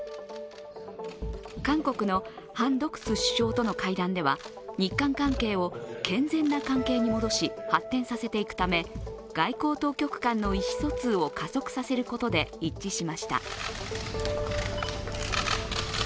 韓国のハン・ドクス首相との会談では日韓関係を健全な関係に戻し発展させていくため外交当局間の意思疎通を加速させることで一致しました。